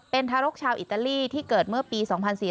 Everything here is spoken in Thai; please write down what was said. เป็นทารกชาวอิตาลีที่เกิดเมื่อปี๒๔๙